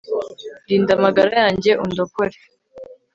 rinda amagara yanjye, undokore